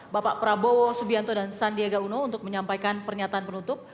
bapak prabowo subianto dan sandiaga uno untuk menyampaikan pernyataan penutup